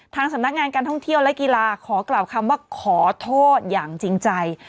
สำนักงานการท่องเที่ยวและกีฬาขอกล่าวคำว่าขอโทษอย่างจริงใจ